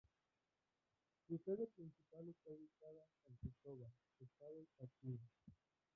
Su sede principal está ubicada en San Cristóbal, Estado Táchira.